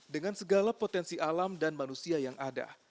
dengan segala potensi alam dan manusia yang ada